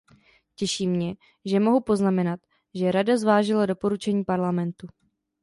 Těší mě, že mohu poznamenat, že Rada zvážila doporučení Parlamentu.